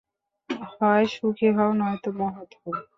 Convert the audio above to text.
হয় সুখী হও, নয়তো মহৎ হও।